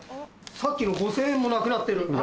さっきの５０００円もなくなってる。